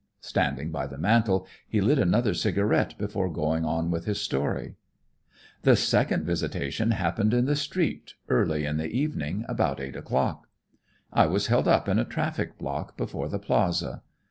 Standing by the mantel he lit another cigarette before going on with his story: "The second visitation happened in the street, early in the evening, about eight o'clock. I was held up in a traffic block before the Plaza.